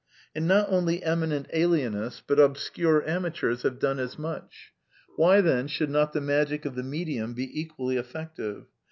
And not only ^ninent alienists, but obscure amateurs have done as much. Why then should not the magic of the medium be equally effective